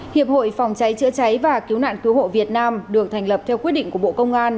hiệp hội phòng cháy chữa cháy và cứu nạn cứu hộ việt nam được thành lập theo quyết định của bộ công an